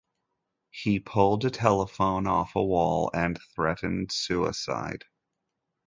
He pulled a telephone off of a wall and threatened suicide.